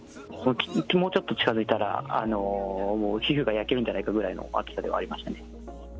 もうちょっと近づいたら、もう皮膚が焼けるんじゃないかぐらいの熱さではありましたね。